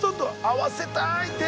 合わせたい手。